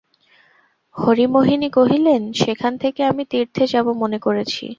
হরিমোহিনী কহিলেন, সেখান থেকে আমি তীর্থে যাব মনে করেছি!